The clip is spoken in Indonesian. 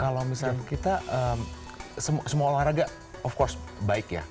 kalau misalnya kita semua olahraga of course baik ya